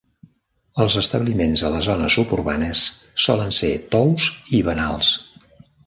Els establiments a les zones suburbanes solen ser tous i banals.